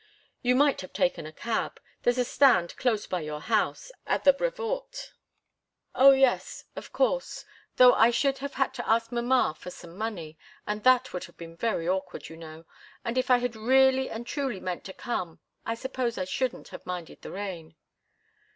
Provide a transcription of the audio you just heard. "You might have taken a cab. There's a stand close by your house, at the Brevoort." "Oh, yes of course though I should have had to ask mamma for some money, and that would have been very awkward, you know. And if I had really and truly meant to come, I suppose I shouldn't have minded the rain."